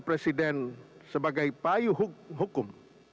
presiden sebagai payu hukum